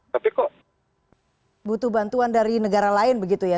tapi kok butuh bantuan dari negara lain begitu ya